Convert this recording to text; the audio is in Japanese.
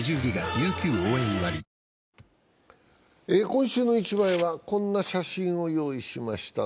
「今週の一枚」はこんな写真を用意しました。